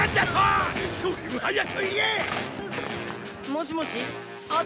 もしもし？